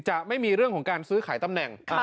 จะไม่มีเรื่องของการซื้อขายตำแหน่ง